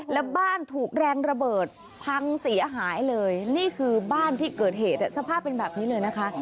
แล้วบ้านถูกแรงระเบิดพังเสียหายเลยนี่คือบ้านที่เกิดเหตุสภาพเป็นแบบนี้เลยนะคะ